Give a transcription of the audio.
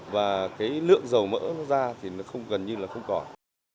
và cái lượng dầu mỡ nó ra thì gần như là không còn